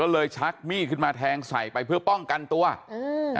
ก็เลยชักมีดขึ้นมาแทงใส่ไปเพื่อป้องกันตัวอืม